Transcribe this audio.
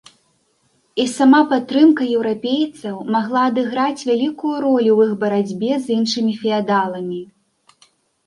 І сама падтрымка еўрапейцаў магла адыграць вялікую ролю ў іх барацьбе з іншымі феадаламі.